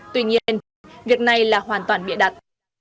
tuy nhiên việc này là hoàn toàn bịa đặt